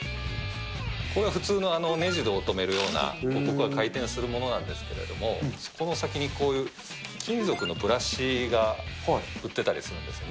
これは普通のねじを留めるような、ここが回転するものなんですけれども、この先にこういう金属のブラシが売ってたりするんですよね。